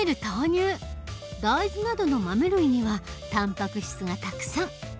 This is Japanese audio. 大豆などの豆類にはたんぱく質がたくさん。